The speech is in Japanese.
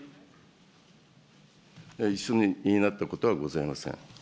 一緒になったことはございま